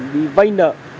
đi vay nợ